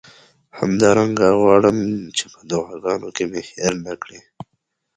همدارنګه غواړم چې په دعاګانو کې مې هیر نه کړئ.